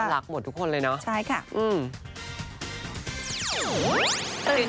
รักหมดทุกคนเลยเนาะใช่ค่ะอืม